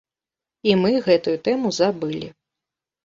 І мы гэтую тэму забылі.